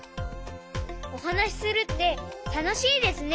おはなしするってたのしいですね！